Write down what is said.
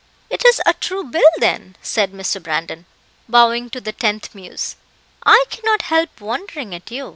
"It is a true bill then," said Mr. Brandon, bowing to the tenth muse. "I cannot help wondering at you.